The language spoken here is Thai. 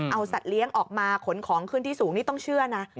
เอาสัตว์เลี้ยงออกมาขนของขึ้นที่สูงนี่ต้องเชื่อนะ